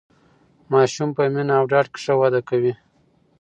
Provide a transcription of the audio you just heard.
ماسوم په مینه او ډاډ کې ښه وده کوي.